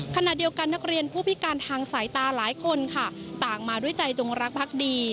ขณะเดียวกันนักเรียนผู้พิการทางสายตาหลายคนค่ะต่างมาด้วยใจจงรักพักดี